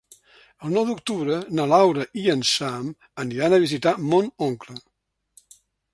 El nou d'octubre na Laura i en Sam aniran a visitar mon oncle.